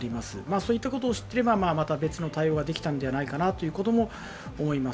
そういったことを知っていれば、また別の対応ができたんじゃないかなとも思います。